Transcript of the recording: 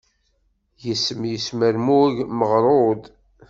Yis-m yesmermug meɣrud.